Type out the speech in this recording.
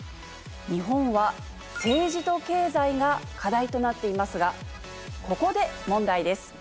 日本は政治と経済が課題となっていますがここで問題です。